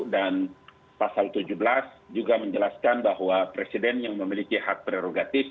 dan pasal tujuh belas juga menjelaskan bahwa presiden yang memiliki hak prerogatif